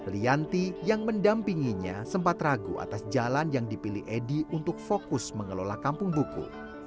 lianti yang mendampinginya sempat ragu atas jalan yang dipilih edy untuk fokus mengelola kampung buku